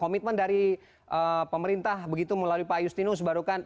komitmen dari pemerintah begitu melalui pak justino sebarukan